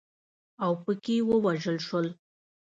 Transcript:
اوپکي ووژل شول.